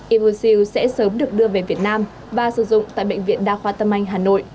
imoxil sẽ sớm được đưa về việt nam và sử dụng tại bệnh viện đa khoa tâm anh hà nội